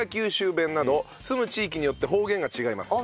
弁など住む地域によって方言が違います。